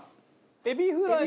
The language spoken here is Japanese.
エビフライ。